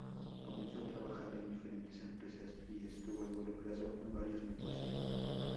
Comenzó a trabajar en diferentes empresas y estuvo involucrado en varios negocios.